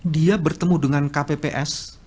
dia bertemu dengan kpps